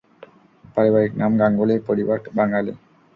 পারিবারিক নাম গাঙ্গুলী, - পরিবার বাঙালি।